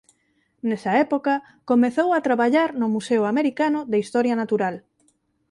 Nesa época comezou a traballar no Museo Americano de Historia Natural.